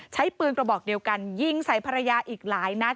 ใช้ปืนกระบอกเดียวกันยิงใส่ภรรยาอีกหลายนัด